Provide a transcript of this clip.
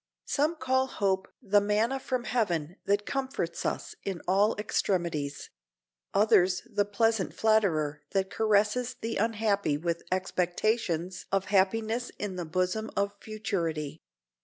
Some call hope the manna from heaven that comforts us in all extremities; others the pleasant flatterer that caresses the unhappy with expectations of happiness in the bosom of futurity.